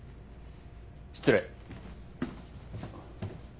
失礼。